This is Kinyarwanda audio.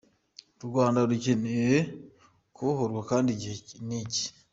U Rwanda rukeneye kubohorwa kandi igihe ni iki.